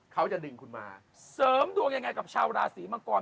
เขาจะดึงคุณมาเสริมดวงยังไงกับชาวราศีมังกร